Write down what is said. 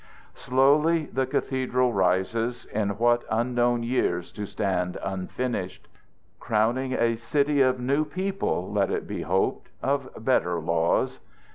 Slowly the cathedral rises, in what unknown years to stand finished! Crowning a city of new people, let it be hoped, of better laws.